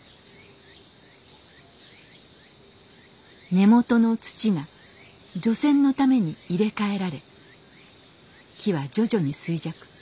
根元の土が除染のために入れ替えられ木は徐々に衰弱。